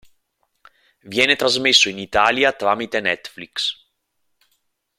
Viene trasmesso in Italia tramite Netflix.